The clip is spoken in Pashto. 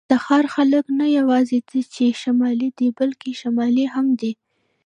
د تخار خلک نه یواځې دا چې شمالي دي، بلکې شمالي هم دي.